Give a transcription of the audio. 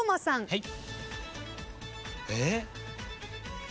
はい。